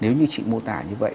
thì nếu như chị mô tả như vậy